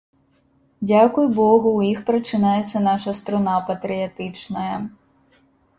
Дзякуй богу, у іх прачынаецца наша струна патрыятычная.